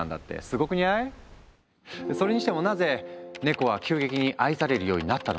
それにしてもなぜネコは急激に愛されるようになったのか？